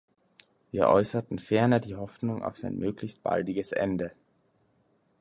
Wir äußerten ferner die Hoffung auf sein möglichst baldiges Ende.